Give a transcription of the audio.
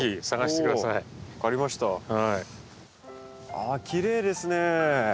ああきれいですね。